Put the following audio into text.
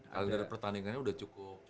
karena pertandingannya sudah cukup